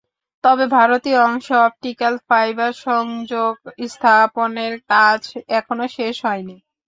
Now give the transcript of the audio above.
তবে ভারতীয় অংশে অপটিক্যাল ফাইবার সংযোগ স্থাপনের কাজ এখনো শেষ হয়নি।